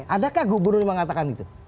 adakah gubernur mengatakan gitu